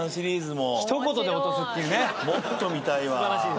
もっと見たいわ。